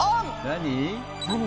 何？